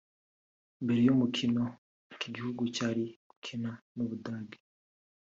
mbere y’umukino iki gihugu cyari gukina n’u Budage